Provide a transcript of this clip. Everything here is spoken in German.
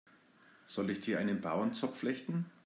Soll ich dir einen Bauernzopf flechten?